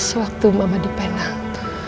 sewaktu mama di penang